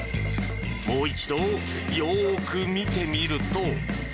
もう一度、よーく見てみると。